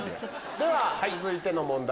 では続いての問題